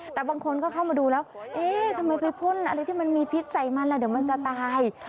แต่บางคนก็เข้ามาดูแล้วเอ๊ะทำไมไปพ่นอะไรที่มันมีพิษใส่มันแล้วเดี๋ยวมันจะตาย